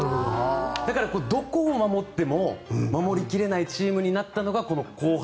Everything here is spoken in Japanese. だからどこを守っても守り切れないチームになったのがこの後半。